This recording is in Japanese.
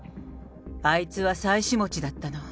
あいつは妻子持ちだったの。